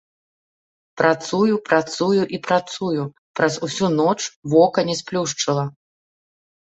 Працую, працую і працую, праз усю ноч вока не сплюшчыла.